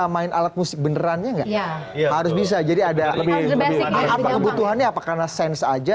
bisa main alat musik benerannya nggak ya harus bisa jadi ada lebih kebutuhannya apa karena sense aja